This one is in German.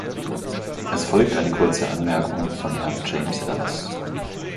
Es folgt eine kurze Anmerkung von Herrn James Elles.